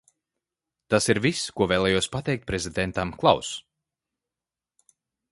Tas ir viss, ko vēlējos pateikt prezidentam Klaus.